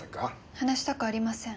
話したくありません。